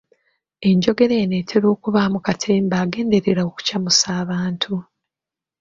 Enjogera eno etera okubaamu katemba agenderera okucamusa abantu.